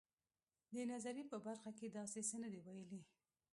د نظریې په برخه کې داسې څه نه دي ویلي.